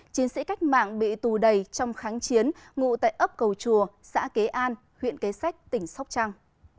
chiến sĩ cách mạng bị tù đầy trong kháng chiến ngụ tại ấp cầu chùa xã kế an huyện kế sách tỉnh sóc trăng